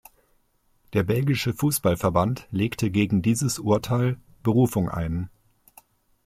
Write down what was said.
Der belgische Fußballverband legte gegen dieses Urteil Berufung ein.